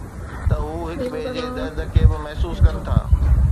ته هو هڪ ٻئي جي درد کي به محسوس ڪن ٿا.